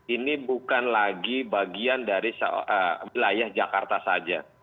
ini bukan lagi bagian dari wilayah jakarta saja